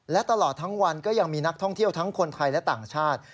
และตลอดทั้งวันก็ยังมีนักท่องเที่ยวทั้งคนไทยและต่างชาติ